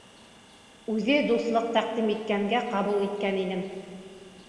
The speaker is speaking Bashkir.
Үҙе дуҫлыҡ тәҡдим иткәнгә ҡабул иткән инем.